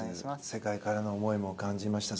世界からの思いも感じました。